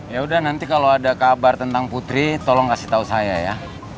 yaudah nanti kalau ada kabar tentang putri tolong kasih tau saya ya